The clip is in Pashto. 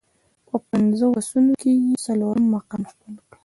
په پنځو اسونو کې یې څلورم مقام خپل کړ.